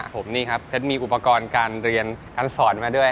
ผมนี่ครับเพชรมีอุปกรณ์การเรียนการสอนมาด้วย